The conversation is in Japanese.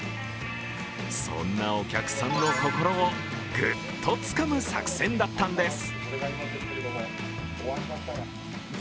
そんなお客さんの心をグッとつかむ作戦だったんです。